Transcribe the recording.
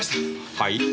はい？